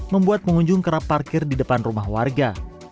membuat pengunjung kerap parkir di depan rumah warga